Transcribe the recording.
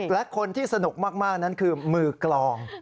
และคนที่สนุกมากนั้นคือมือกลอง